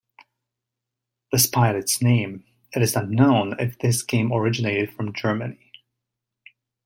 Despite its name, it is not known if this game originated from Germany.